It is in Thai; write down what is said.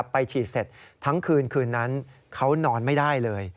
ไปฉีดเสร็จทั้งคืนคืนนั้นเขานอนไม่ได้เลย